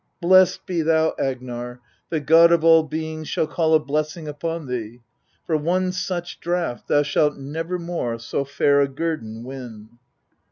3. Blest be thou, Agnar the God of all beings shall call a blessing upon thee : for one such draught thou shalt never more so fair a guerdon win.